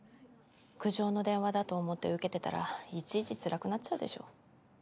苦情の電話だと思って受けてたらいちいちつらくなっちゃうでしょ。